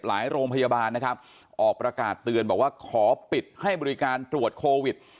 โรงพยาบาลนะครับออกประกาศเตือนบอกว่าขอปิดให้บริการตรวจโควิด